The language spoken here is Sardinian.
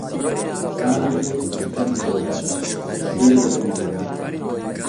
S'àrbitru non tenet dudas, tiru de penalidade.